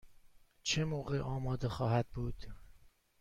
چه موقع آماده خواهد بود؟